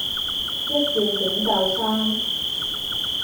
一件短袖衫